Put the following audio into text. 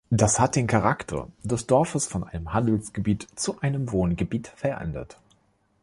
Das hat den Charakter des Dorfes von einem Handelsgebiet zu einem Wohngebiet verändert.